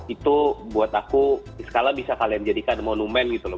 itu buat aku iskala bisa kalian jadikan monumen gitu loh